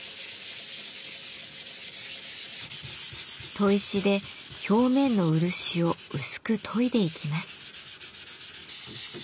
砥石で表面の漆を薄く研いでいきます。